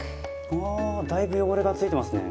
うわだいぶ汚れがついてますね。